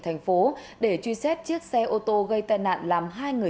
thành phố để truy xét chiếc xe ô tô gây tai nạn làm hai người